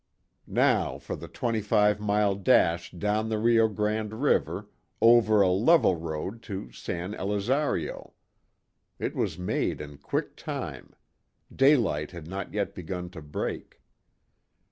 Now for the twenty five mile dash down the Rio Grande river, over a level road to San Elizario. It was made in quick time. Daylight had not yet begun to break.